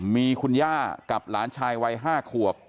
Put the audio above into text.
มีคุณย่ากับหลานชายวัย๕ขวบ